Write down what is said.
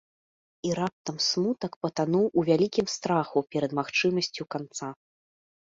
І раптам смутак патануў у вялікім страху перад магчымасцю канца.